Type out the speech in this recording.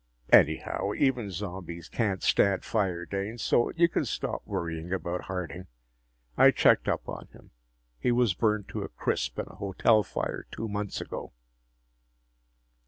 "Anyhow, even zombies can't stand fire, Dane, so you can stop worrying about Harding. I checked up on him. He was burned to a crisp in a hotel fire two months ago."